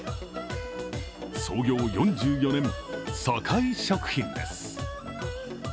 創業４４年、さかい食品です。